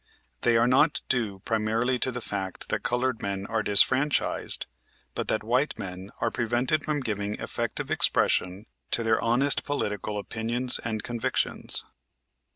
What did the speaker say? They are not due primarily to the fact that colored men are disfranchised, but that white men are prevented from giving effective expression to their honest political opinions and convictions.